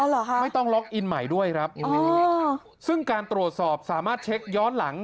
เหรอคะไม่ต้องล็อกอินใหม่ด้วยครับซึ่งการตรวจสอบสามารถเช็คย้อนหลัง